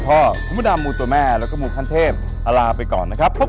พ่อมูดำมูตัวแม่แล้วก็มูพันเทพลาลาไปก่อนนะครับพบ